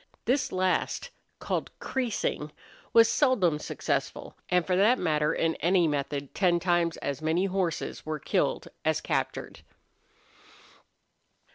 This last, called creasing, was seldom successful, and for that matter in any method ten times as many horses were killed as captured.